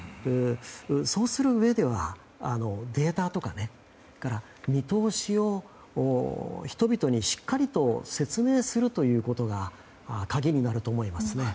そうするうえではデータとか、それから見通しを人々にしっかりと説明するということが鍵になると思いますね。